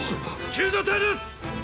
救助隊です！